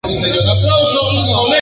El Ilmo.